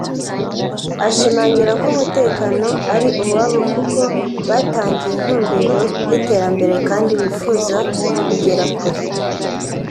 ashimangira ko umutekano ari uwabo kuko batangiye intumbero y’iterambere kandi bifuza kugera kure